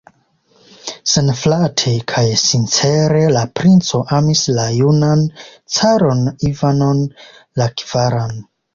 Senflate kaj sincere la princo amis la junan caron Ivanon la kvaran.